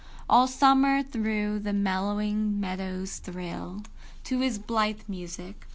II. All summer through the mellowing meadows thrill To his blithe music.